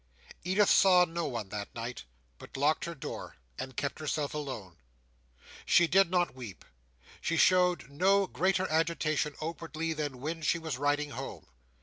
Edith saw no one that night, but locked her door, and kept herself alone. She did not weep; she showed no greater agitation, outwardly, than when she was riding home.